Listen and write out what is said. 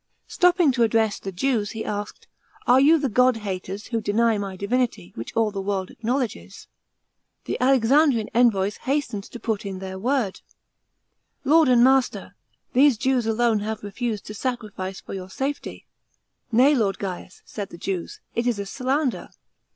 Stopping to address the Jews, he asked, " Are you the God haters, who deny my divinity, which all 10 A.D. JEWLSH EMBASSY. 229 the world acknowledges ?" The Alexandrian envoys hastened to put in their word, " Lord and master, these Jews alone have refused to sacrifice for your safety." " Nay, Lord Gaius," said the Jews, " it is a slander.